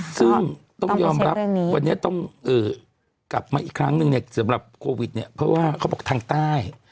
ซึ่งต้องยอมรับวันนี้ต้องกลับมาอีกครั้งนึงเนี่ยสำหรับโควิดเนี่ยเพราะว่าเขาบอกทางใต้